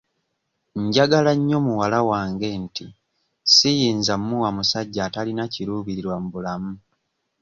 Njagala nnyo muwala wange nti siyinza mmuwa musajja atalina kiruubiriwa mu bulamu.